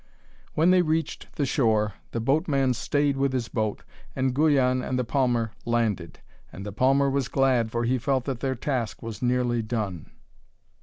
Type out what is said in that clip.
When they reached the shore the boatman stayed with his boat, and Guyon and the palmer landed. And the palmer was glad, for he felt that their task was nearly done.